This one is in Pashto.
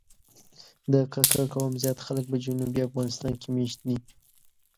د کاکړ قوم زیات خلک په جنوبي افغانستان کې مېشت دي.